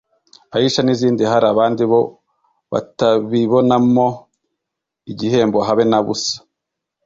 “Aisha” n’izindi hari abandi bo batabibonamo igihendo habe na busa